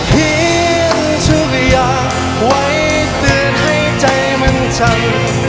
เพียงทุกอย่างไว้ตื่นให้ใจมันจำ